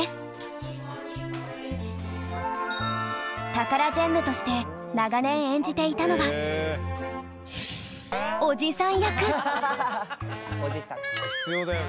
タカラジェンヌとして長年演じていたのは必要だよね。